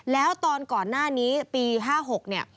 แล้วตอนก่อนหน้านี้ปี๕๖เนี่ย